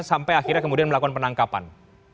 sampai akhirnya kemudian melakukan penangkapan